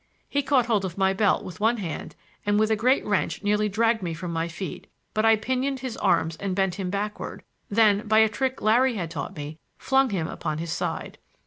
He caught hold of my belt with one hand and with a great wrench nearly dragged me from my feet, but I pinioned his arms and bent him backward, then, by a trick Larry had taught me, flung him upon his side.